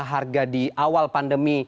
harga di awal pandemi